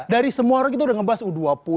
dari semua orang kita udah ngebahas u dua puluh